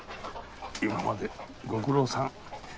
今までご苦労さん。